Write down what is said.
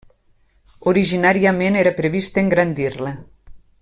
Originàriament era previst engrandir-la.